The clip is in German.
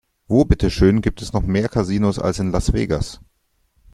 Wo bitte schön gibt es noch mehr Casinos als in Las Vegas?